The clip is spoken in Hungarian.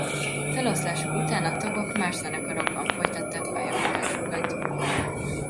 Feloszlásuk után a tagok más zenekarokban folytatták pályafutásukat.